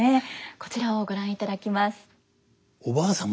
こちらをご覧いただきます。